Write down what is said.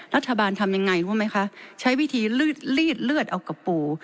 รัฐบาลทำยังไงรู้ไหมคะใช้วิธีลีดเลือดเอากับปู่